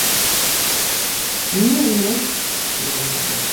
— Ниңә, инәй? — ти Яланбикә.